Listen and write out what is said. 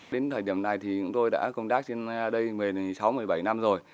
đến thời điểm này thì chúng tôi đã công tác trên đây một mươi sáu một mươi bảy năm rồi